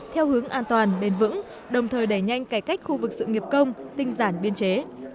theo hướng an toàn bền vững đồng thời đẩy nhanh cải cách khu vực sự nghiệp công tinh giản biên chế